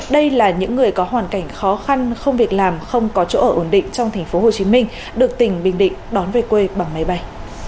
đây là những người có hoàn cảnh khó khăn không việc làm không có chỗ ở ổn định trong tp hcm được tỉnh bình định đón về quê bằng máy bay